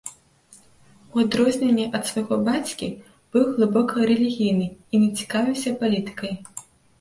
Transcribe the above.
У адрозненне ад свайго бацькі, быў глыбока рэлігійны і не цікавіўся палітыкай.